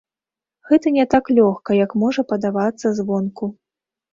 Гэта не так лёгка, як можа падавацца звонку.